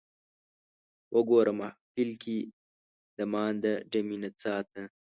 وګوره محفل کې د مانده ډمې نڅا ته